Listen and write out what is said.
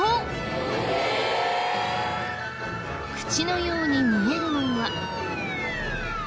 口のように見えるのは。